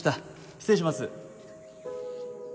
失礼します。